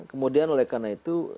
kemudian oleh karena itu